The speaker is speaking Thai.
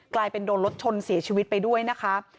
กลายเป็นโดนรถชนเสียชีวิตไปด้วยนะคะ